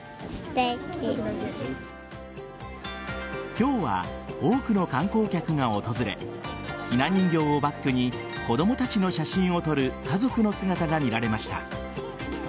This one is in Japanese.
今日は多くの観光客が訪れひな人形をバックに子供たちの写真を撮る家族の姿が見られました。